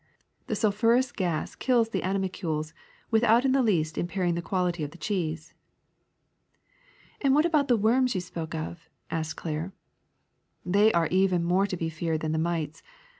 The sulphurous gas kills the animalcules mthout in the least impairing the quality of the cheese.'' *^ And Avhat about the worms you spoke of f asked Claire. ^'They are even more to be feared than the mites.